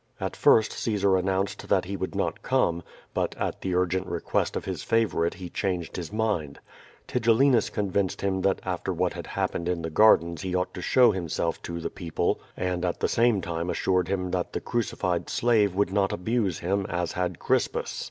At first Caesar announced that he would not come, but at the urgent request of his favorite he changed his mind. Tigellinus convinced him that after what had hap pened in the gardens he ought to show liimself to the people, and at the same time assured him that the crucified slave would not abuse him, as had Crispus.